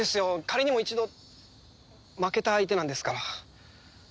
仮にも一度負けた相手なんですから。